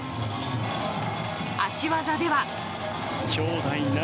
脚技では。